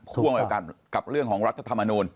ถูกกับเรื่องของรัฐธรรมนูญ